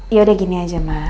yaudah gini aja ma